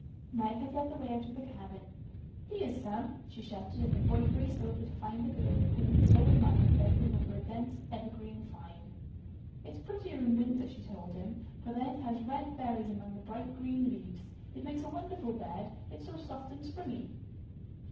Meg had led the way out of the cabin. "Here's some!" she shouted, and the boy raced over to find the girl whom he so admired bending over a dense evergreen vine. "It's prettier in winter," she told him, "for then it has red berries among the bright green leaves. It makes a wonderful bed. It is so soft and springy."